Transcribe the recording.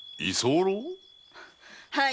はい。